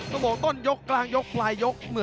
ต้องบอกต้นยกกลางยกปลายยก